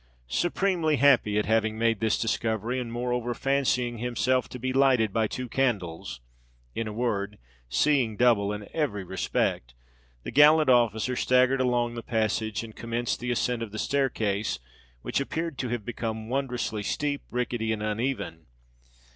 Supremely happy at having made this discovery, and moreover fancying himself to be lighted by two candles—in a word, seeing double in every respect,—the gallant officer staggered along the passage, and commenced the ascent of the staircase, which appeared to have become wondrously steep, ricketty, and uneven.